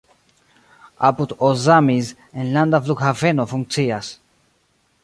Apud Ozamiz enlanda flughaveno funkcias.